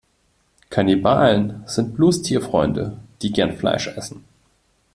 Kannibalen sind bloß Tierfreunde, die gern Fleisch essen.